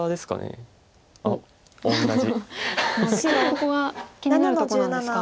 ここは気になるとこなんですか。